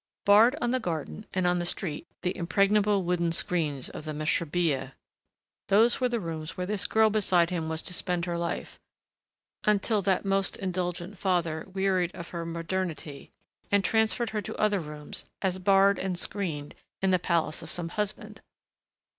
Barred on the garden, and on the street the impregnable wooden screens of the mashrubiyeh, those were the rooms where this girl beside him was to spend her life until that most indulgent father wearied of her modernity and transferred her to other rooms, as barred and screened, in the palace of some husband!...